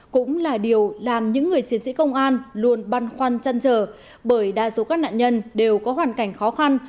cũng là điều làm những người chiến sĩ công an luôn băn khoăn chăn trở bởi đa số các nạn nhân đều có hoàn cảnh khó khăn